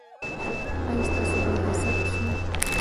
ایا ستاسو غږ به ثبت شي؟